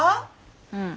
うん。